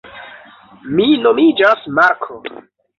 Mi nomiĝas Marko